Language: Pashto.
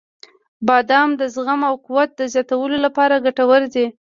• بادام د زغم او قوت د زیاتولو لپاره ګټور دی.